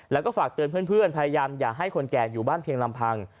แล้วก็ฝากเตือนเพื่อนพยายามอย่าให้คนแก่อยู่บ้านเพียงลำพัง